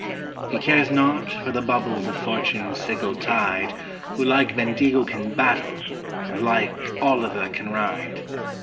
He cares not for the bubbles of Fortune's fickle tide, Who like Bendigo can battle, and like Olliver can ride.